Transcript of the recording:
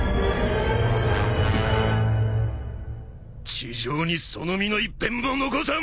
地上にその身の一片も残さん！